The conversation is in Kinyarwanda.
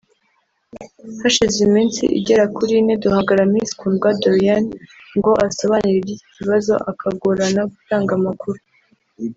Hashize iminsi igera kuri ine duhamagara Miss Kundwa Doriane ngo asobanure iby’iki kibazo akagorana gutanga amakuru